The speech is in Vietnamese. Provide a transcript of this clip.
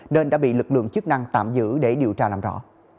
nên đã bị lực lượng chức năng tạm giữ để điều tra làm rõ